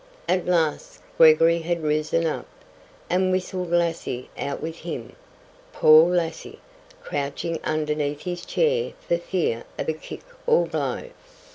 At last, Gregory had risen up, and whistled Lassie out with him—poor Lassie, crouching underneath his chair for fear of a kick or a blow.